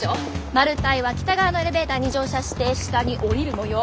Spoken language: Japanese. マルタイは北側のエレベーターに乗車して下に降りるもよう。